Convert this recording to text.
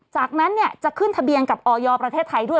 จากนั้นจะขึ้นทะเบียนกับออยประเทศไทยด้วย